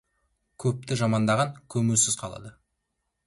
Көпті жамандаған көмусіз қалады.